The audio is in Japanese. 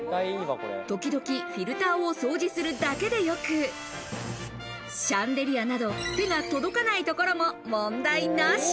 時々フィルターを掃除するだけでよく、シャンデリアなど手が届かないところも問題なし。